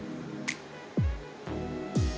cukup bagus sih gitu karena